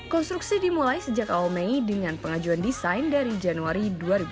konstruksi dimulai sejak awal mei dengan pengajuan desain dari januari dua ribu dua puluh